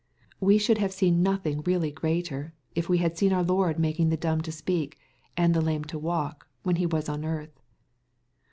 We should have seen nothing really greater, if we had seen our Lord making the dumb to speak, and the lame to walk, «rhen He was on earth.